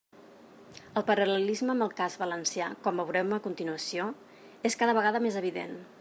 El paral·lelisme amb el cas valencià, com veurem a continuació, és cada vegada més evident.